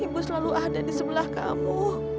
ibu selalu ada di sebelah kamu